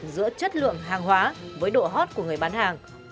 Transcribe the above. giữa chất lượng hàng hóa với độ hot của người bán hàng